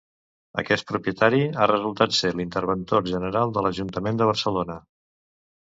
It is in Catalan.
Aquest propietari ha resultat ser l'interventor general de l'Ajuntament de Barcelona.